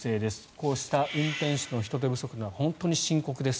こうした運転手の人手不足が本当に深刻です。